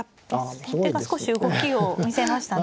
先手が少し動きを見せましたね。